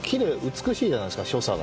美しいじゃないですか所作が。